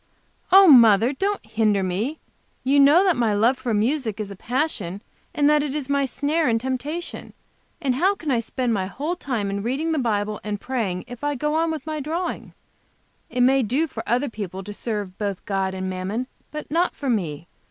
"Oh, mother, don't hinder me! You know my love for music is a passion and that it is my snare and temptation. And how can I spend my whole time in reading the Bible and praying, if I go on with my drawing? It may do for other people to serve both God and Mammon, but not for me.